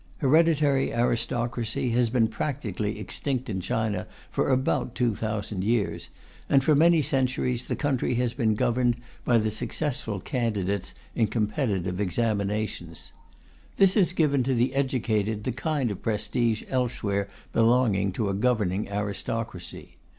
Hereditary aristocracy has been practically extinct in China for about 2,000 years, and for many centuries the country has been governed by the successful candidates in competitive examinations. This has given to the educated the kind of prestige elsewhere belonging to a governing aristocracy.